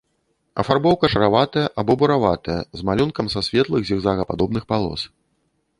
Афарбоўка шараватая або бураватая з малюнкам са светлых зігзагападобных палос.